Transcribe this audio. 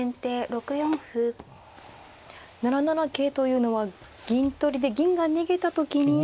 ７七桂というのは銀取りで銀が逃げた時に。